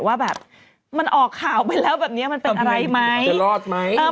ว่าแบบมันออกข่าวไปแล้วแบบนี้มันเป็นอะไรไหมจะรอดไหม